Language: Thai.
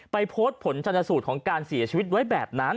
ไปโพสต์ผลชนสูตรของการเสียชีวิตไว้แบบนั้น